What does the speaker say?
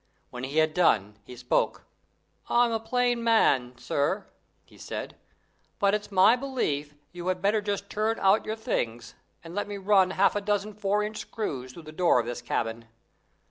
When he had done he spoke. "I'm a plain man, sir," he said. "But it's my belief you had better just turn out your things, and let me run half a dozen four inch screws through the door of this cabin.